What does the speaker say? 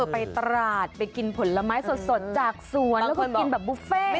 ไปตลาดไปกินผลไม้สดจากสวนแล้วก็กินแบบบุฟเฟ่